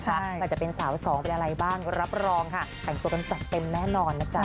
เพราะจะเป็นสาวสองแต่การตังแต่งเป็นแน่นอน